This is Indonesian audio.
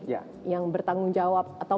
yang bertanggung jawab atau